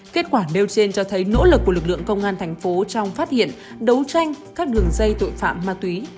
kết quả đều trên cho thấy nỗ lực của lực lượng công an tp hcm trong phát hiện đấu tranh các đường dây tội phạm ma túy